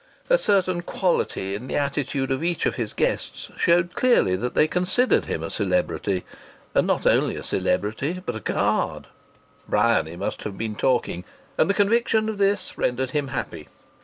A certain quality in the attitude of each of his guests showed clearly that they considered him a celebrity, and not only a celebrity but a card Bryany must have been talking and the conviction of this rendered him happy.